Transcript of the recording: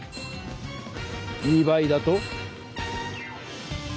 ２倍だと？